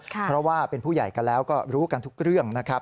เพราะว่าเป็นผู้ใหญ่กันแล้วก็รู้กันทุกเรื่องนะครับ